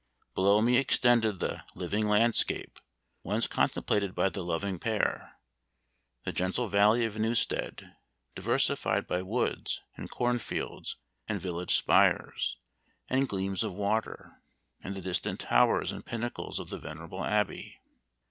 Below me extended the "living landscape," once contemplated by the loving pair; the gentle valley of Newstead, diversified by woods and corn fields, and village spires, and gleams of water, and the distant towers and pinnacles of the venerable Abbey.